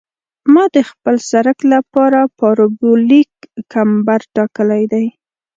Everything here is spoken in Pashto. ما د خپل سرک لپاره پارابولیک کمبر ټاکلی دی